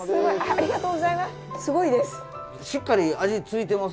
ありがとうございます。